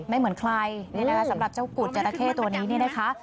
ไม่เหมือนใครสำหรับเจ้ากุฎจราเข้ตัวนี้นี่นะคะ